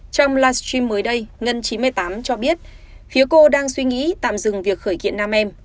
trong livestream mới đây ngân chín mươi tám cho biết phía cô đang suy nghĩ tạm dừng việc khởi kiện nam em